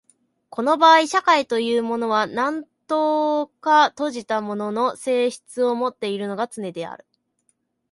この場合社会というのは何等か閉じたものの性質をもっているのがつねである。